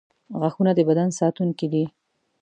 • غاښونه د بدن ساتونکي دي.